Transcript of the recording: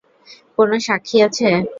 কোনও সাক্ষী আছে?